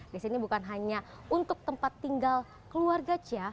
di sini bukan hanya untuk tempat tinggal keluarga cia